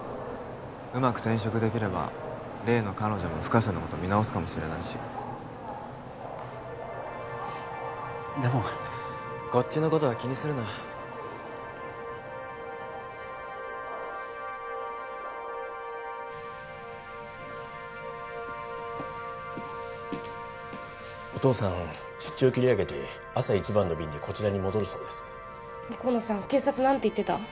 うまく転職できれば例の彼女も深瀬のこと見直すかもしれないしでもこっちのことは気にするなお父さん出張切り上げて朝一番の便でこちらに戻ります甲野さん警察何て言ってた？